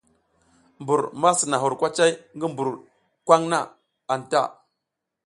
Mbur ma sina hur kwacay ngi mbur kwaŋ na anta.